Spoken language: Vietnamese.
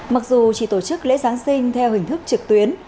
mặc dù chỉ tổ chức lễ giáng sinh theo hình thức trực tuyến